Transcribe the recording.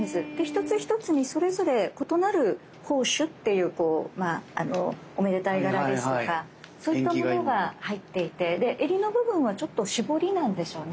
一つ一つにそれぞれ異なる宝珠っていうおめでたい柄ですとかそういったものが入っていて襟の部分はちょっと絞りなんでしょうね。